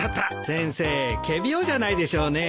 先生仮病じゃないでしょうね。